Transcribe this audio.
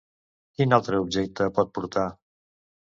Quin altre objecte pot portar?